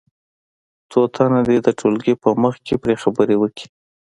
څو تنه دې د ټولګي په مخ کې پرې خبرې وکړي.